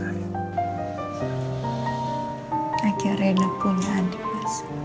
akhirnya aku bisa menikmati anda